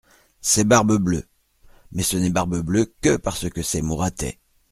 C'est Barbe-Bleue ; mais ce n'est Barbe-Bleue que parce que c'est Mouratet.